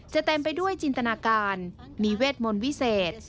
เต็มไปด้วยจินตนาการมีเวทมนต์วิเศษ